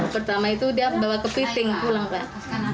pertama itu dia bawa kepiting pulang pak